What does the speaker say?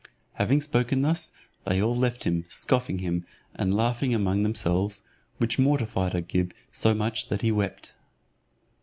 Having spoken thus, they all left him, scoffing him, and laughing among themselves, which mortified Agib so much that he wept.